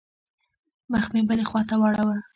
مخ مې بلې خوا ته واړاوه.